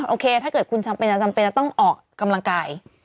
โอเคถ้าเกิดคนต้องออกกำลังกาย